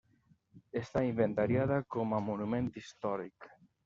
Està inventariada com a monument històric.